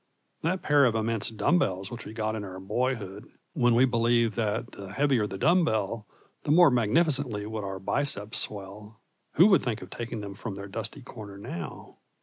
That pair of immense dumb bells which we got in our boyhood, when we believed that the heavier the dumb bell the more magnificently would our biceps swell who would think of taking them from their dusty corner now?